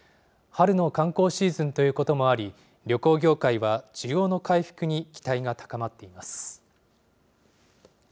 春の観光シーズンということもあり、旅行業界は需要の拡大に期待が高まっています。